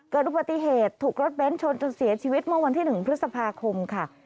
เกิดอุบัติเหตุถูกรถเบ้นชนจนเสียชีวิตเมื่อวันที่๑พฤษภาคมค่ะ